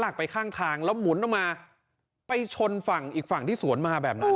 มันชนฝั่งอีกฝั่งที่สวนมาแบบนั้นด้านหน่อเอ๋อ